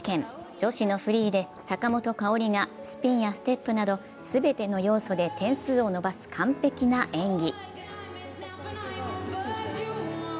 女子のフリーで坂本花織がスピンやステップなど全ての要素で点数を伸ばす完璧な演技。